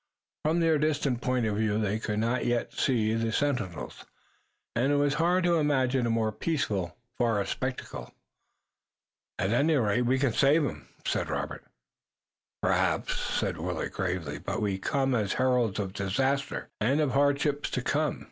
From their distant point of view they could not yet see the sentinels, and it was hard to imagine a more peaceful forest spectacle. "At any rate, we can save 'em," said Robert. "Perhaps," said Willet gravely, "but we come as heralds of disaster occurred, and of hardships to come.